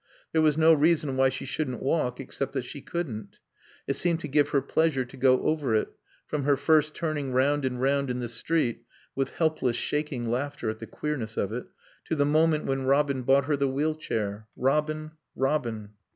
There was no reason why she shouldn't walk except that she couldn't. It seemed to give her pleasure to go over it, from her first turning round and round in the street (with helpless, shaking laughter at the queerness of it), to the moment when Robin bought her the wheel chair.... Robin ... Robin